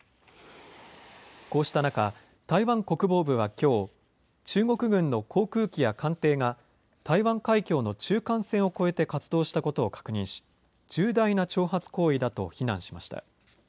こうした中、台湾国防部はきょう、中国軍の航空機や艦艇が、台湾海峡の中間線を越えて活動したことを確認し、重大な挑発行為だと非難しました。